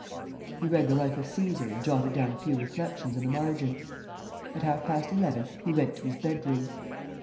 He read the life of Cæsar and jotted down a few reflections in the margin. At half past eleven, he went to his bedroom.